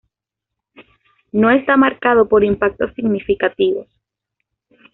No está marcado por impactos significativos.